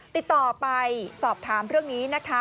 ติดต่อไปสอบถามเรื่องนี้นะคะ